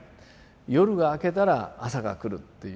夜が明けたら朝が来るっていう。